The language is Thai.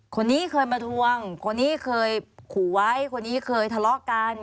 คนนี้เคยมาทวงคนนี้เคยขู่ไว้คนนี้เคยทะเลาะกัน